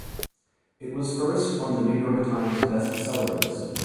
It was first on the "New York Times" Best Seller list.